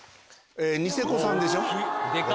ニセコ産でしょ。